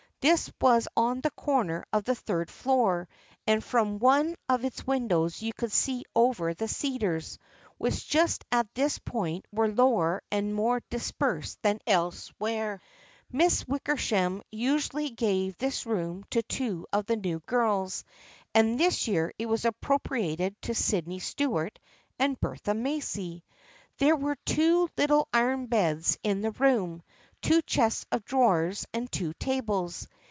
This was on the corner of the third floor, and from one of its windows you could see over the cedars, which just at this point were lower and more dispersed than elsewhere. Miss Wickersham usu ally gave this room to two of the new girls, and this year it was appropriated to Sydney Stuart and Bertha Macy. There were two little iron beds in the room, two chests of drawers, and two tables.